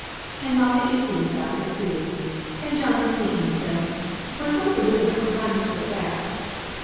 And mamma is seeing about their food, and John is speaking to them, for some of the women are crying to go back.